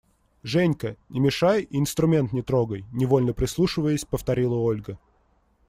– Женька, не мешай и инструмент не трогай! – невольно прислушиваясь, повторила Ольга.